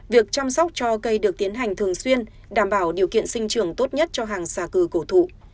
việc chăm sóc cho cây được tiến hành thường xuyên đảm bảo điều kiện sinh trường tốt nhất cho hàng xa cư cổ thụ